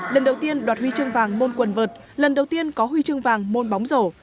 lần đầu tiên đoạt huy chương vàng môn quần vợt lần đầu tiên có huy chương vàng môn bóng rổ